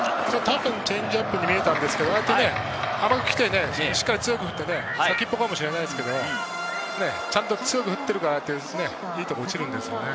多分チェンジアップに見えたんですけど、しっかり振って、先っぽかもしれないですけど、ちゃんと強く振ってるからいいところに落ちるんですよね。